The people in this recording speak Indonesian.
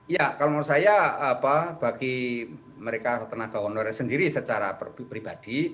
ya kalau menurut saya bagi mereka tenaga honorer sendiri secara pribadi